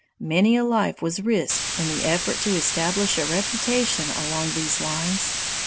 Many a life was risked in the effort to establish a reputation along these lines.